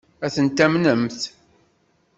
Ad ten-tamnemt?